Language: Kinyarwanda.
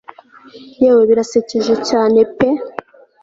yewe birasekeje cyane pe